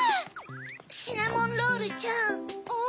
シナモンロールちゃん。